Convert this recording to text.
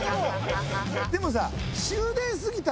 でもさ。